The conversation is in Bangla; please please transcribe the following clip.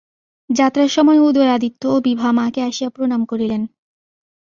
যাত্রার সময় উদয়াদিত্য ও বিভা মাকে আসিয়া প্রণাম করিলেন।